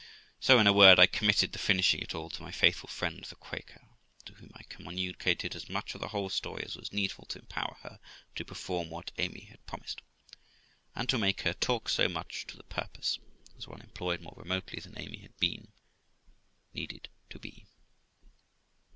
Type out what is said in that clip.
So, in a word, I committed the finishing it all to my faithful friend the Quaker, to whom I communicated as much of the whole story as was needful to empower her to perform THE LIFE OF ROXANA what Amy had promised, and to make her talk so much to th purpose, as one employed more remotely than Amy had been, needed to be.